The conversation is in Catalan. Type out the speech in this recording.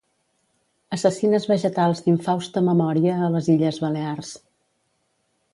Assassines vegetals d'infausta memòria a les Illes Balears.